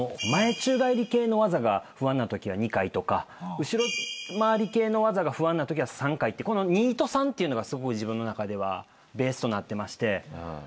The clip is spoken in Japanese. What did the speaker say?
前宙返り系の技が不安なときは２回とか後ろ回り系の技が不安なときは３回この２と３っていうのがすごい自分の中ではベースとなってまして。